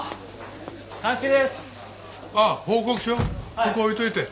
そこ置いといて。